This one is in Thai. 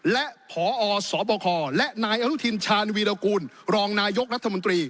และพอสบคและนายอนุทินชาญวีรกูลรองนายกรัฐมนตรี